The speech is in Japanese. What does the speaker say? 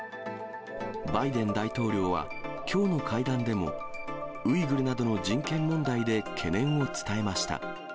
バイデン大統領は、きょうの会談でも、ウイグルなどの人権問題で懸念を伝えました。